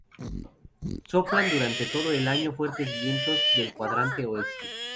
Soplan durante todo el año fuertes vientos del cuadrante oeste.